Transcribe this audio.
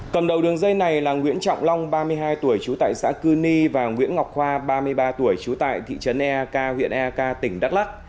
cầm đầu đường dây này là nguyễn trọng long ba mươi hai tuổi trú tại xã cư ni và nguyễn ngọc khoa ba mươi ba tuổi trú tại thị trấn eak huyện eak tỉnh đắk lắc